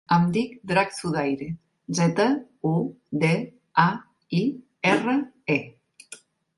Em dic Drac Zudaire: zeta, u, de, a, i, erra, e.